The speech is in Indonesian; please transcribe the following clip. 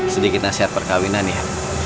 sedikit nasihat perkawinan ya